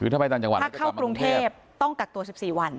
ถ้าเข้ากรุงเทพฯต้องกักตัว๑๔วัน